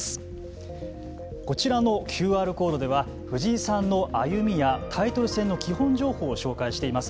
こちらのＱＲコードでは藤井さんの歩みやタイトル戦の基本情報を紹介しています。